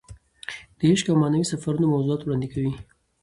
د عشق او معنوي سفرونو موضوعات وړاندې کوي.